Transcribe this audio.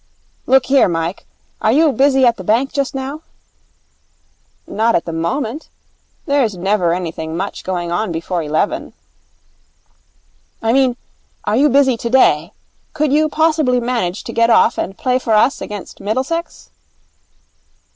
'Look here, Mike, are you busy at the bank just now?' 'Not at the moment. There's never anything much going on before eleven.' 'I mean, are you busy today? Could you possibly manage to get off and play for us against Middlesex?'